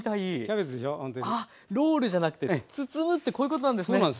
あロールじゃなくて包むってこういうことなんですね。